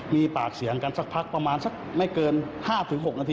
มีปากเสียงกันสักพักประมาณสักไม่เกิน๕๖นาที